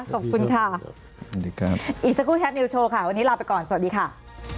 ขอบคุณค่ะสวัสดีครับอีกสักครู่แท็บนิวโชว์ค่ะวันนี้ลาไปก่อนสวัสดีค่ะ